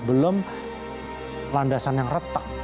belum landasan yang retak